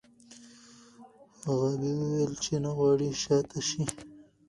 غابي وویل چې نه غواړي شا ته شي.